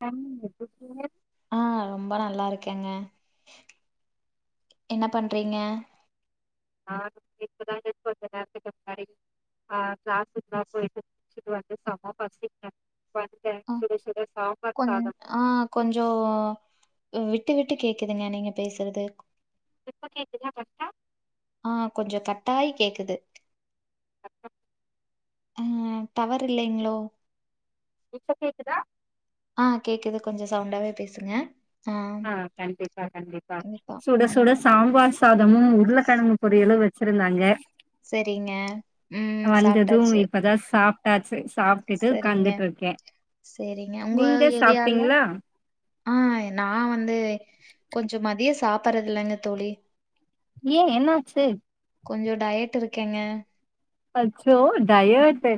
கண் வெட்டு சூய ஆஹ் ரொம்ப நல்லா இருக்கேங்க என்ன பண்றீங்க ஆ இப்ப தா எடுத்து வெச்சங்க கொஞ்ச நேரத்துக்கு முன்னாடி ஆஹ் க்ளாஸ்க்குலா போயிட்டு முடிச்சுட்டு வந்து செம பசிங்க ப இருக்கே ஆ சுட சுட சாம்பார் கொஞ் சாதோ ங்க ஆ கொஞ்சோ ஹும் விட்டு விட்டு கேக்குதுங்க நீங்க பேசுறது இப்ப கேக்குதா ஃபஸ்ட் ஆஹ் கொஞ்சோ கட்டாயி கேக்குது ஹலோ ஆஹ் டவர் இல்லைங்ளோ இப்ப கேக்குதா ஆஹ் கேக்குது கொஞ்சோ சவுண்டாவே பேசுங்க ஆ கண்டிப்பா கண்டிப்பா சுட சுட சாம்பார் சாதமு உருளக்கெழங்கு பொரியலு வெச் ச்சிருந்தாங்க சரிங்க ம் வந்தது சாப்ட்டாச்சு இப்பதா சாப்டாச்சு சாப் ட்டு சரிங்க ஒட்காந்துட்டு இருக்கே சரிங்க உங்க நீங்க ஏரியால சாப்டீங்களா ஆ நா வந்து கொஞ்சோ மதிய சாப்பிடடுறது இல்லைங்க தோழி ஏன் என்ன ஆச்சு கொஞ்சோ டயட் இருக்கேங்க அச்சோ டயட்டு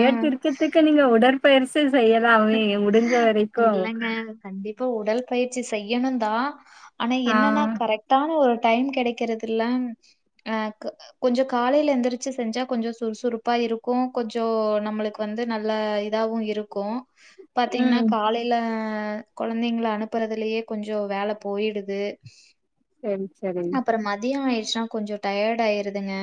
ஆ இருக்குறதுக்கு நீங்க உடற் பெயிச்சி செய்யலாமே முடிஞ்ச வரைக்கு இல்லங்க கண்டிப்பா உடல் பயிற்சி செய்யணு தா ஆனா ஆ, என்னன்னா கரெக்ட் டான ஒரு டைம் கெடைக்கிறதுல்ல அஹ் க்கு கொஞ்சோ காலேல எந்திரிச்சு செஞ்சா கொஞ்சோ சுறுசுறுப்பா இருக்கு கொஞ்சோ நம்மளுக்கு வந்து நல்ல இதாவு இருக்கு பாத்தீங்னா ம். காலே ல கொழந்தைங்ல அனுப்புறதுலயே கொஞ்சோ வேல போய்டுது சேரி செரி அப்றோ மதிய ஆயிருச்சுன்னா கொஞ்சோ டயர்ட் ஆயிருதுங்க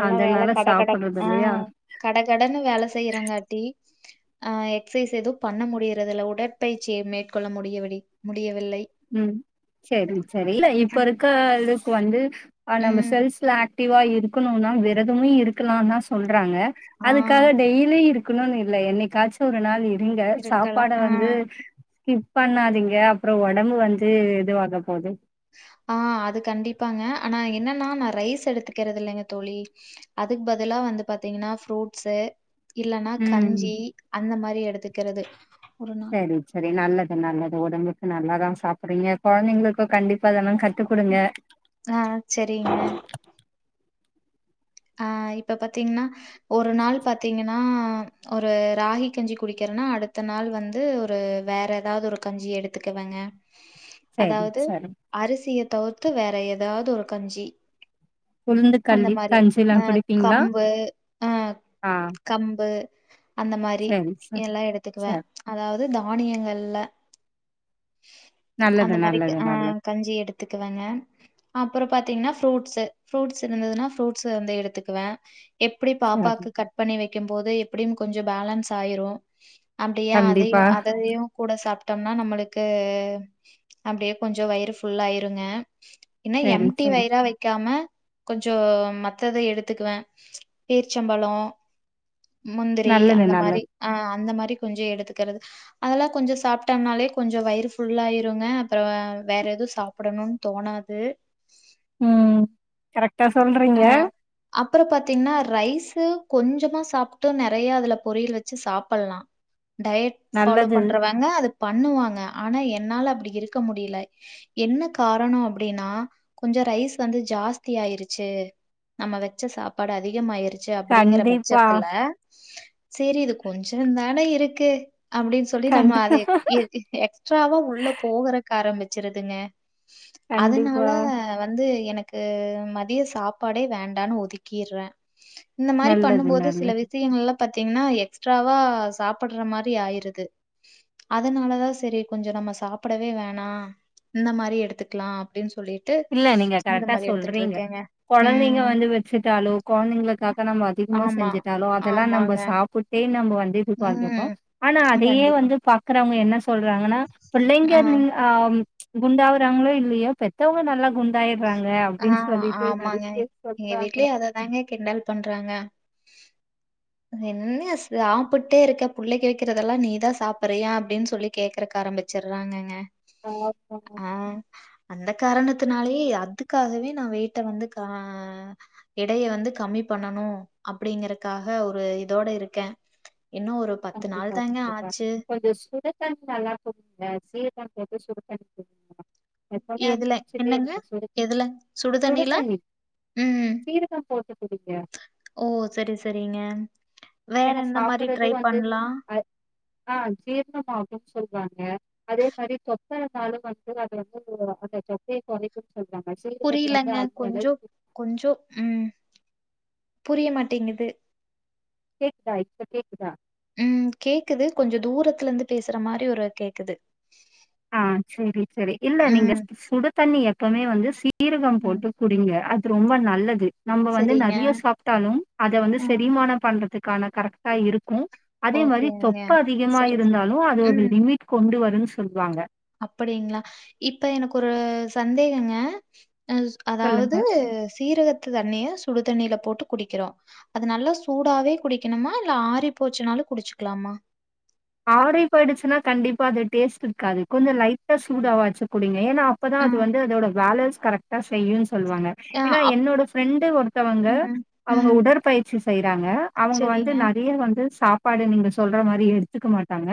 எல்லாம் வேல அதனால கட கட சாப்பிடுறது இல்லையா? ஆஹ் கட கடன்னு வேல செய்றாங்காட்டி ஆஹ் எக்சைஸ் எதும் பண்ண முடிறதுல்ல உடற்பயிற்சியே மேற்கொள்ள முடிய விடி முடியவில்லை ம் செரி செரி இல்ல இப்ப இருக்க அளவுக்கு வந்து ஆ நம்ம ம். செல்ஸ்ல ஆக் ஆக்டிவ்வா இருக்குனோன்னா வெரதமு இருக்கலா தா சொல்றாங்க ஆ அதுக்காக டெய்லி இரு க்குணோன் இல்ல என்னைக்காச்சு ஒரு நாள் இருங்க சாப்பாட இருக்கலாம். ஆ. வந்து ஸ்கிப் பண்ணாதீங்க அப்றோ ஒடம்பு வந்து இதுவாக போது ஆ அது கண்டிப்பாங்க ஆனா என்னன்னா நா ரைஸ் எடுத்துக்கிறது இல்லைங்க தோழி அதுக்கு பதிலா வந்து பாத்தீங்கனா ஃப்ரூட்ஸு இல்லன்னா ம். கஞ்சி அந்த மாரி எடுத்துக்குறது ஒரு நா செரி செரி நல்லது நல்லது ஒடம்புக்கு நல்லதா சாப்றீங்க கொழந்தைங்களுக்கு கண்டிப்பா இதெல்லா கத்து குடுங்க ஆஹ் செரிங்க ஆஹ் இப்ப பாத்தீங்னா ஒரு நாள் பாத்தீங்கனா ஒரு ராஹீ கஞ்சி குடிக்கெறனா அடுத்த நாள் வந்து ஒரு வேற எதாவது ஒரு கஞ்சி எடுத்துக்கேவேங்க சரி அதாவ்து சரி அரிசிய தவுர்த்து வேற எதாவ்து ஒரு கஞ்சி உளுந்து கள்ளி கஞ்சு ஆ கம்பு ஆ ஆ கம்பு அந்த மாரி சரி சரி எல்லா எடுத்துக்குவே சரி அதாவ்து தானியங்கள்ல நல்லது அந்த மாரி நல்லது ஆ நல்லது கஞ்சி எடுத்துக்குவங்க அப்றோ பாத்தீங்னா ஃப்ரூட்ஸூ ஃப்ரூட்ஸ் இருந்ததுன்னா ஃப்ரூட்ஸ் வந்து எடுத்துக்குவே எப்டி சரி பாப்பாக்கு கட் பண்ணி வக்கம்போது எப்டியும் கொஞ்சொ பேலன்ஸ் ஆயிரு அப்டியே அதயு கண்டிப்பா அதயு கூட சாப்டம்னா நம்ளு க்கு அப்டியே கொஞ்சொ வயிறு ஃபுல்லாயிருங்க என்ன சரி எம்டி சரி வயிறா வெக்காம கொஞ்சொ மத்தத எடுத்துக்குவே பேர்ச்சம்பழோ முந்திரி நல்லது அந்த மாரி நல்லது ஆ அந்த மாரி கொஞ்சோ எடுத்துக்கறது அதெல்லா கொஞ்சோ சாப்ட்டானாலே கொஞ்சோ வயிறு ஃபுல்லாயிருங்க அப்றோ வேற எது சாப்டணுன் தோணாது ம் கரெக்டா சொல்றீங்க அப்றோ பாத்தீங்னா ரைஸு கொஞ்சமா சாப்ட்டு நெறையா அதுல பொரியல் வச்சு சாப்பலா டயர்ட் ஃபாலோ நல்லது பண்றவங்க அது பண்ணுவாங்க ஆனா என்னால அப்டி இருக்க முடில என்ன காரணோ அப்டினா கொஞ்சொ ரைஸ் வந்து ஜாஸ்தியாயிரு ச்சு நம்ம வச்ச சாப்பாடு அதிகமாயிருச்சு அப்டிங்கற கண்டிப்பா பட்சத்துல சேரி இது கொஞ்சோந்தானே இருக்கு அப்டின் சொல்லி நம்ம கண்டி அத எ எ எக்ஸ்ட்ராவ உள்ள போகுறக்கு ஆரம்பிச்சிருதுங்க கண்டிப்பா அதனால வந்து எனக்கு ம திய சாப்பாடே வேண்டான் ஒதுக்கிர்றே இந்த மாரி நல்லது பண்ணும்போது சில நல்லது விஷயங்கள்ல பாத்தீங்னா எக்ஸ்ட்ராவா சாப்புட்ற மாரி ஆயிருது அதனாலதா செரி கொஞ்சோ நம்ம சாப்புடவே வேணா இந்த மாரி எடுத்துக்லா அப்டின் சொல்லிட்டு இல்ல நீங்க இந்த கரெக்டா மாரி சொல்றீங்க எடுத்துட்ருக்கேங்க கொழந்தைங்க வந்து வெச்சிட்டாலோ கொழந்தைங்களுக்காக நம்ம அதிகமா ஆமா செஞ்சுட்டாலோ அதெல்லா நம்ப ஆமாங்க சாப்பு ட்டே நம்ப வந்து இதுவாகிர்றோ ம் ஆனா அதயே கண்டிப்பா வந்து பாக்றவங்க என்ன சொ சொல்றாங்கன்னா புள்ளைங்க நின் ஆ குண்டாவுறாங்ளோ இல்லயோ பெத்தோங்க நல்லா குண்டாயிர்றாங்க ஆ அப்டின் சொல்லிட்டு நறைய பேர் சொல்றாங்க தாங்க கிண்டல் பண்றாங்க என்ன சாப்புட்டேருக்க புள்ளைக்கி வெக்கிறதெல்லா நீதா சாப்பறியா அப்டின் சொல்லி கேக்றகாரம்பி ச்சறாங்கங்க பாப்போ ஆ அந்த காரணத்தினாலே அதுக்காகவே நா வெயிட்ட வந்து கா எடைய வந்து கம்மி பண்ணணு அப்டிங்கறக்காக ஒரு இதோட இருக்கே இன்னு ஒரு கண்டிப்பா நாள் தாங்க கண்டிப்பா ஆச்சு. கொஞ்சொ சுடு தண்ணி நல்லா குடிங்க சீரகோ போட்டு சுடு தண்ணி குடிங்க எப்பனா எதுல? என்னங்க? குடிச்சிட்டேருங்க சுடு எதுல? சுடு தண்ணீல? தண்ணி ம். சீரகம் போட்டு குடிங்க ஓ! சரி, சரிங்க. வேற ஏனா எந்த மாரி சாப்புறது ட்ரை வந்து பண்ணலாம்? அ ஆ ஜீர்ணமாகுன் சொல்வாங்க அதே மாரி கொத்தரங்காலு வந்து அது வந்து அந்த தொப்பய கொறை குடிக் சொல்றாங்க சீரகத்துல வந்து அந்த அளவுக்கு கொஞ்சோ ம் புரிய மாட்டேங்கிது கேக்குதா இப்ப கேக்குதா ம் கேக்குது கொஞ்சோ தூரத்துல இருந்து பேசுற மாரி ஒரு கேக்குது ஆங் செரி செரி இல்ல நீங்க ம், சு சுடு தண்ணி எப்பமே வந்து சீ சீரக ம். போட்டு குடிங்க அது ரொம்ப நல்லது நம்ம வந்து சரிங்க. நெறைய சாப்டாலும் அத வந்து ஆ. செரிமான பண்றதுக் கான கரெக்டா இருக்கு அதே மாரி ஓகேங்க. தொப்ப அதிகமா சரி, சரி. இருந்தாலு அது ஒரு ம். லிமிட் கொண்டு வருன் சொல்வாங்க அப்படிங்களா இப்ப எனக்கு ஒரு சந்தேகங்க ஆங் சொல்லுங்க அதாவது சீரகத்து தண்ணிய சுடு தண்ணில போட்டு குடிக்கிறோ அது நல்லா சூடாவே குடிக்கணுமா இல்ல ஆறி போச்சுனாலு குடிச்சுக்லாமா ஆறி போயிடுச்சுன்னா கண்டிப்பா அது டேஸ்ட் இருக்காது கொஞ்சோ லைட்டா சூடு ஆவாச்சு குடிங்க ஏனா அப்பதா ஆ. அது வந்து அதோட வேல ஸ் கரெக்டா செய்யுன் சொல்லுவாங்க ஆ ஏனா அப் என்னோட ஃப்ரெண்டு ஒருத்தவங்க ம். அவங்க ம். உடற்பயிற்சி செய்றாங்க அவங்க வந்து சரிங்க, நெறைய வந்து சாப் பாடு நீங்க சொல்ற மாரி எடுத்துக்க மாட்டாங்க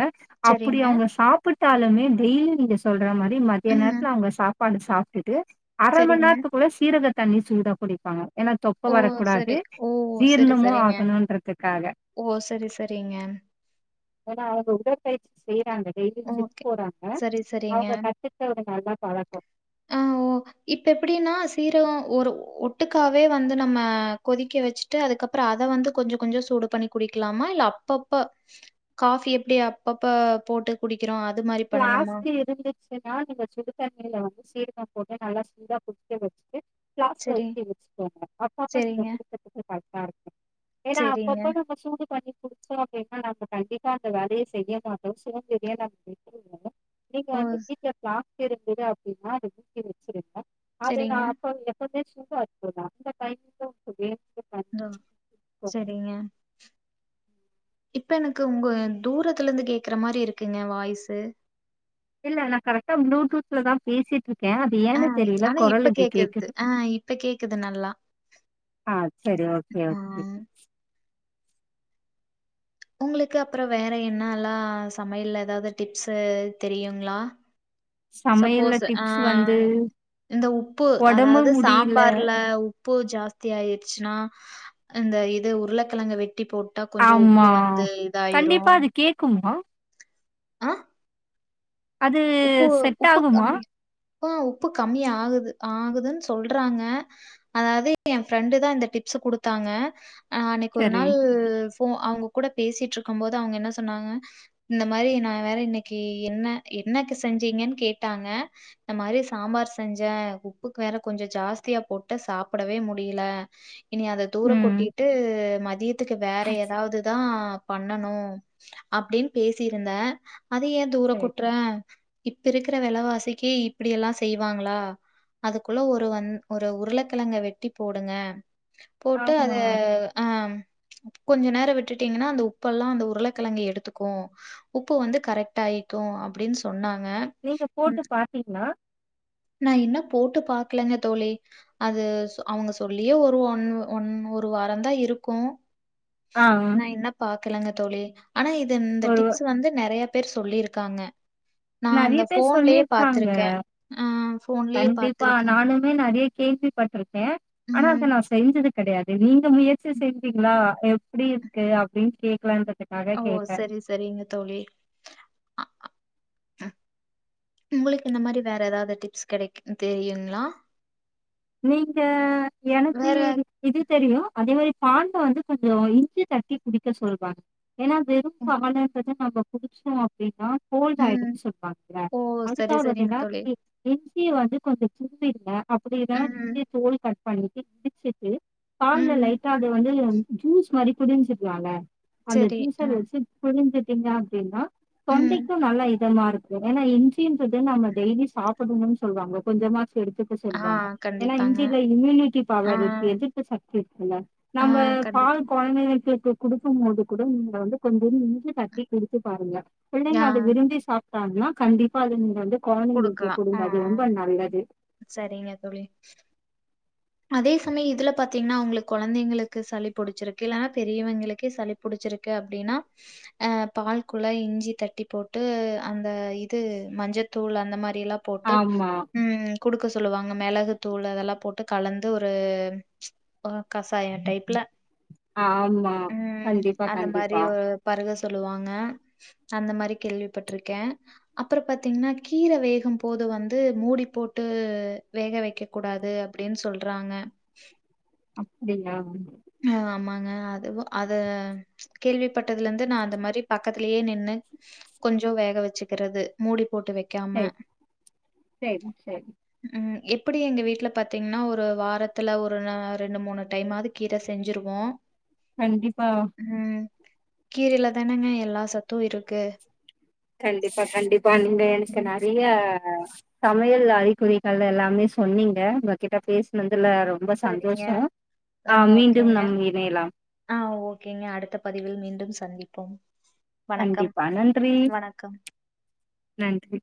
அப்பிடி சரிங்க. அவங்க சாப் பிட்டாலுமே டெய்லி நீங்க சொல்ற மாரி மதிய ம். நேரத்துல அவங்க சாப்பாடு சாப்ட்டுட்டு அர மணீ சரிங்க. நேர்த்துக்குள்ள சீரக தண்ணி சூடா குடிப்பாங்க ஏனா தொப்ப ஓ! வரக்கூடாது சரி. ஓ! சரி, ஜீர்ணமு சரிங்க. ஆகணுன்றதுக்காக ஓ சரி சரிங்க ஏனா அவங்க உடற்பயிற்சி செய்றாங்க டெய்லி ஜிம் ஓகே. போறாங்க சரி, சரிங்க. அவங்க கத்து க்க ஒரு நல்ல பழக்கோ ஆ ஓ! இப்ப எப்டின்னா சீரகோ ஒரு ஒட்டுக்காவே வந்து நம்ம கொதிக்க வெச்சு ட்டு அதுக்கப்புற அத வந்து கொஞ்ச கொஞ்ச சூடு பண்ணி குடிக்கலாமா இல்ல அப்பப்ப காஃபி எப்டி அப்பப்ப போட்டு குடிக்கிறோ அது மாரி பண்ணணுமா செனா நீங்க சுடு தண்ணில வந்து சீரகம் போட்டு நல்லா சூடா குடிக்க வெச்சுட்டு ப்ளாஸ்க்ல சரி. ஊத்தி வெச்சுக்கோங்க அப்பப்ப நீங்க சரிங்க, குடிக்கற்துக்கு கரெக்டா இருக்கு ஏனா சரிங்க. அப்பப்பா நம்ம சூடு பண்ணி குடிச்சோ அப்டினா நம்ம கண்டிப்பா அந்த வேலய செய்ய மாட்டோம் சோம்பெறியா தா [inaudible] நீங்க ஓ! வந்து வீட்ல பிளாஸ்க்கு இருக்குது அப்டினா இத ஊத்தி வெச்சிருங்க அது நா சரிங்க. அப்ப எப்பமே சூடா வச்சிருந்தா அந்த டைம் [unintelligible] ஆ செரிங்க இப்ப எனக்கு உங்க தூரத்துலந்து கேக்குற மாரி இருக்குங்க வாய்ஸு இல்ல நா கரெக்டா ப்ளூடூத்ல தா பேசிட்ருக்கே ஆ ஏனு தெரியல ஆனா இப்ப கொரல் இப்டி கேக்குது ஆ இப்ப கேக்குது நல்லா. ஆ செரி ஓகே ஆ ஓகே உங்ளுக்கு அப்பற வேற என்னல்லா சமையல்ல ஏதாவது டிப்ஸு தெரியுங்ளா சமையல்ல சப்போஸு ஆ டிப்ஸ் வந்து இந்த உப்பு ஒடம்பு அதாவது முடியில சாம்பார்ல உப் பு ஜாஸ்தி ஆயிருச்சுனா இந்த இது உருளக்கெழங்க வெட்டி போட் டா கொஞ்சோ உப்பு வந்து இதாயிரு கும்மா ஆ அது உப்பு செட் உப்பு ஆகுமா கம்மி ஆ உப்பு கம்மி ஆகுது ஆகுதுன் சொல்றாங்க அதாவது என் ஃப்ரெண்டு தா இந்த டிப்ஸு குடுத்தாங்க அ அன்னைக்கு ஒரு சரி நாள் போ அவங்க கூட பேசிட்ருக்கம் போது அவங்க என்ன சொன்னாங்க இந்த மாரி நா வேற இன்னைக்கி என்ன என்னக்கு செஞ்சீங்கன் கேட்டாங்க இந்த மாரி சாம்பார் செஞ்ச உப்புக்கு வேற கொஞ்சோ ஜாஸ்தியா போட்டு சாப்டவே முடில இனி அத தூர ம் கொட்டிட்டு மதியத்துக்கு வேற ஏதாவது தா பண்ணணு அப்டின் பேசிருந்தே அத ஏன் தூர கொ சரி ஆ இப்ப இருக்கிற வெலைவாசிக்கு இப்டி எல்லா செய்வாங்களா அதுக்குள்ள ஒரு வந் ஒரு உருளைக்கெழங்க வெட்டி போடுங்க போட்டு ஆமா அது ஆ கொஞ்ச நேரோ விட்டுட்டீங்கன்னா அந்த உப்பெல்லா அந்த உருளைக்கெழங்கு எடுத்துக்கு உப்பு வந்து கரெக்ட் ஆயிக்கும் அப்டின் சொன்னாங்க நீங்க போட்டு ம் பாத்தீங்களா நா இன்னும் போட்டு பாக்லங்க தோழி அது சொ அவங்க சொல்லியே ஒரு ஒன் ஒன் ஒரு வாரந்தா இருக்கு ஆ நா இன்னு பாக்கலங்க தோழி ஆனா இது இந்த ஒரு டிப்ஸ் வந்து நெறைய பேர் சொல்லியிருக்காங்க நா நெறைய அந்த பேர் ஃபோன்லயே சொல்லிருக்காங்க பாத்துருக்கே ஆ ஃபோன்லயே பாத்துருக்கே மே நெறைய கேள்விப்பட்ருக்கே ஆனா அத ம் நா செய்றது கெடையாது நீங்க முயற்சி செஞ்சீங்களா எப்டி இருக்கு அப்டினு கேக்கலான்டு அ ஓ சரி சரிங்க தோழி ம் உங்களுக்கு இந்த மாரி வேற ஏதாவது டிப்ஸ் கெடைக்குதுனு தெரியுங்களா நீங்க எனக்கு வேற இது தெரியு அதே மாரி பால வந்து கொஞ்ச இஞ்சி தட்டி குடிக்க சொல்வாங்க ஏன்னா வெறு பால நம்ம குடிச்சோ அப்படின்னா கோல்ட் ம். ஆயின்னு சொல்லுவாங்க ஓ! சரி, சரிங்க அதுக்காவதுன்னா தோழி. இஞ்சிய வந்து கொஞ்ச தும்பிடுக அப்டிதா ம், இஞ்சிய தோல் கட் பண்ணிட்டு இடிச்சுட்டு பால்ல ம். லைட்டா அது வந்து ஜூஸ் மாதிரி குடிஞ்சுகலால அந்த சரி. அ, ஜூஸர் வச்சு புழிஞ்சுட்டீங்க அப்டின்னா ம். தொண்டைக்கு நல்லா இரு இதமாஇருக்கு ஏன்னா இஞ்ன்றது நம்ம டெய்லி சாப்பிடன்னு சொல்லுவாங்க கொஞ்சமா குடுத்து இப்ப ஆ, சொல்லுவாங்க ஏன்னா கண்டிப்பாங்க. இஞ்சில இம்யூனிட்டி ஆ, பவர் இருக்கு எதிர்பு சக்தி இருக்குல்ல ஆ, நம்ம கண்டிப்பா. பால் குழந்தைக்கு குடுக்கு போது கூட நீங்க வந்து கொஞ்ச இஞ்சி தட்டி குடுத்து பாருங்க பிள்ளைங்க ஆ, அத விரும்பி சாப்ட்டாங்கன்னா கண்டிப்பா அது நீங்க வந்து கொழந்தைக்கு குடுக்கலாம். ஆ, கொடுங்க அது ரொம்ப நல்லது சரிங்க தோழி அதே சமயம் இதுல பாத்தீங்கன்னா அவங்களு கொழந்தைங்களுக்கு சளி புடிச்சிருக்கு இல்லனா பெரியவங்களுக்கே சளி புடிச்சிருக்கு அப்டின்னா அ பால்குல்ல இஞ்சி தட்டி போட்டு அந்த இது மஞ்சத்தூள் அந்த மாரி எல்லா போட்டு ஆமா ம் குடுக்க சொல்லுவாங்க மெளகு தூள் அதெல்லா போட்டு கலந்து ஒரு பா கசாயம் டைப்ல ஆமா ம் கண்டிப்பா அந்த மாரி கண்டிப்பா ஒ பருக சொல்லுவாங்க அந்த மாரி கேள்விப்பட்ருக்கே அப்புற பாத்தீங்கன்னா கீர வேகும் போது வந்து மூடி போட்டு வேக வெக்க கூடாது அப்டின் சொல்றாங்க அப்டியா ம் ஆமாங்க அதுவு அத கேள்விப்பட்டதுல இருந்து நா அந்த மாரி பக்கத்துலயே நின்னு கொஞ்ச வேக வச்சுக்கிறது மூடி போட்டு வக்காம சேரி சேரி சேரி ம் எப்டி எங்க வீட்ல பாத்தீங்கன்னா ஒரு வாரத்துல ஒரு அ ரெண்டு மூணு டைம் ஆது கீர செஞ்சிருவோ கண்டிப்பா ம் கீரையில தானங்க எல்லா சத்தும் இருக்கு கண்டிப்பா கண்டிப்பா இங்க எனக்கு ம் நெறைய சமையல் அறிகுறிகள் எல்லாமே சொன்னீங்க உங்ககிட்ட பேசுனதுல ரொ ம்ப சரிங்க சந்தோஷோ ஆ மீண்டும் நம் இணையலாம் ஆ ஓகேங்க அடுத்த பதிவில் மீண்டும் சந்திப்போம் வணக்கம், கண்டிப்பா நன்றி வணக்கம். நன்றி